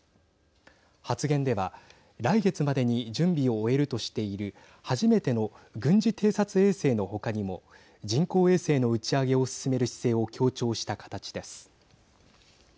発言では来月までに準備を終えるとしている初めての軍事偵察衛星の他にも人工衛星の打ち上げを進める姿勢を強調した形です。